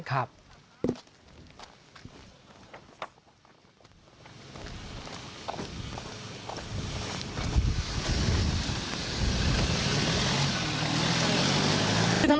ทะลงสัตว์ครับ